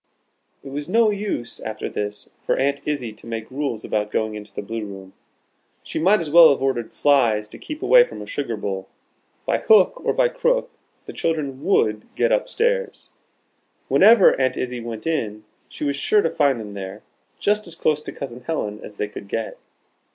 It was no use, after this, for Aunt Izzie to make rules about going into the Blue room. She might as well have ordered flies to keep away from a sugar bowl. By hook or by crook, the children would get up stairs. Whenever Aunt Izzie went in, she was sure to find them there, just as close to Cousin Helen as they could get.